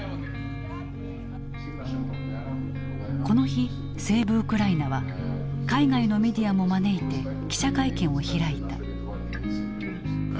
この日セーブ・ウクライナは海外のメディアも招いて記者会見を開いた。